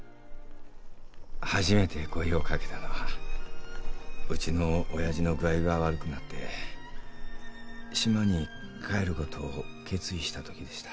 初めて声をかけたのはウチの親父の具合が悪くなって島に帰ることを決意したときでした。